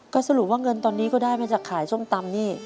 ก็สรุปว่าเงินตอนนี้ก็ได้มาจากขายส้มตำนี่